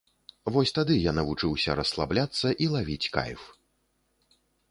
Вось тады я навучыўся расслабляцца і лавіць кайф.